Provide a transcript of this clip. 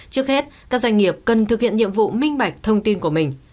trước hết các doanh nghiệp cần thực hiện nhiệm vụ minh bạch thông tin của mình